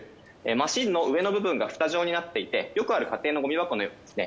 マシンの上の部分が蓋状になっていてよくある家庭のゴミ箱のようにですね